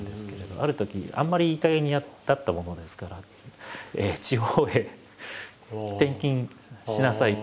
あるときあんまりいいかげんだったものですから「地方へ転勤しなさい」というお話が来まして。